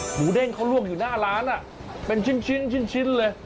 เด้งเขาลวกอยู่หน้าร้านเป็นชิ้นเลย